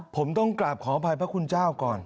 ผมต้องกราบขออภัยพระคุณเจ้าก่อน